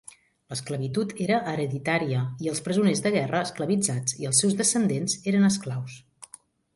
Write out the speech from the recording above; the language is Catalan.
L'esclavitud era hereditària i els presoners de guerra esclavitzats i els seus descendents eren esclaus.